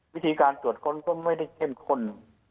วิธีการตรวจค้นก็ไม่ได้เข้มข้น